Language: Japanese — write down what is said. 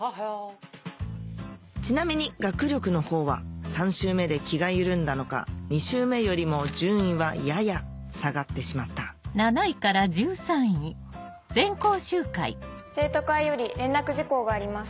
ちなみに学力のほうは３周目で気が緩んだのか２周目よりも順位はやや下がってしまった生徒会より連絡事項があります。